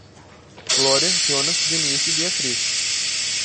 Glória, Jonas, Denise e Beatriz